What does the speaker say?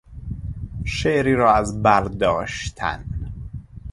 شعری را از بر داشتن